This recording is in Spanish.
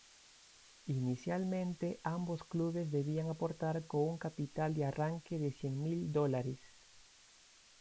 Inicialmente ambos clubes debían aportar con un capital de arranque de cien mil dólares.